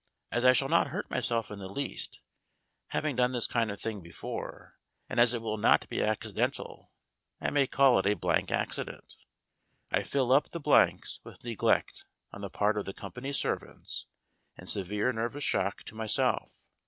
As I shall not hurt myself in the least having done this kind of thing before and as it will not be accidental, I may call it a blank accident. I fill up the blanks with neglect on the part of the company's serv ants and severe nervous shock to myself.